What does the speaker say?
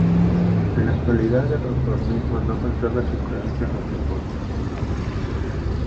En la actualidad el reformismo no conserva sus creencias o "propuestas".